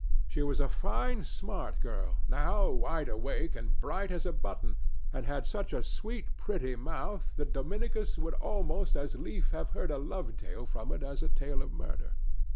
She was a fine, smart girl, now wide awake and bright as a button, and had such a sweet, pretty mouth that Dominicus would almost as lief have heard a love tale from it as a tale of murder.